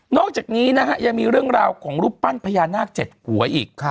อกจากนี้นะฮะยังมีเรื่องราวของรูปปั้นพญานาค๗หัวอีก